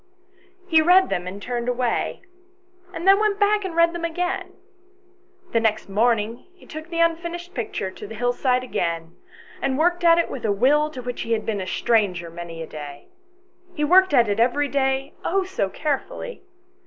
He read them and turned away, and then went back and read them again. The next morning he took the unfinished picture to the hillside again and worked 136 ANYHOW STORIES. [STORY at it with a will to which he had been a stranger o many a day. He worked at it every day, oh, so carefully.